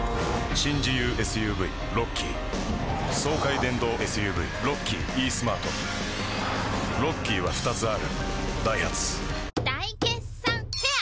新自由ＳＵＶロッキー爽快電動ＳＵＶロッキーイースマートロッキーは２つあるダイハツ大決算フェア